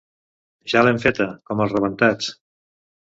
Ja l'hem feta, com els rebentats.